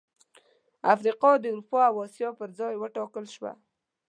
افریقا د اروپا او اسیا پر ځای وټاکل شوه.